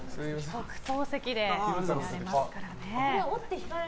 特等席で見れますからね。